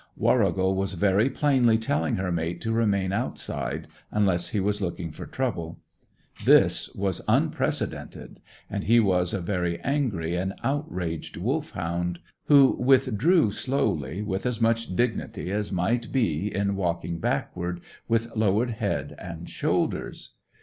Warrigal was very plainly telling her mate to remain outside, unless he was looking for trouble. This was unprecedented, and he was a very angry and outraged Wolfhound, who withdrew slowly with as much dignity as might be in walking backward with lowered head and shoulders.